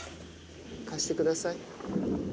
貸してください。